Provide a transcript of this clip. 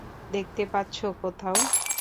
দেখতে পাচ্ছো কোথাও?